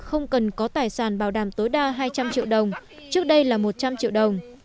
không cần có tài sản bảo đảm tối đa hai trăm linh triệu đồng trước đây là một trăm linh triệu đồng